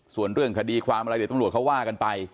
ส่วนเรื่องคดีความอะไรเดี๋ยวตำรวจเขาว่ากันไป